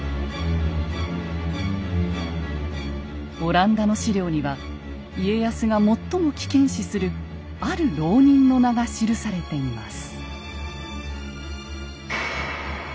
オランダの史料には家康が最も危険視するある牢人の名が記されています。